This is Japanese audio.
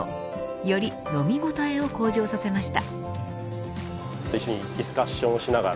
より飲み応えを向上させました。